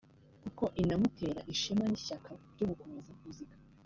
kuko inamutera ishema n’ishyaka byo gukomeza muzika